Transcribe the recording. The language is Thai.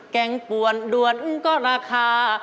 แกงป่วนด้วนก็ราคา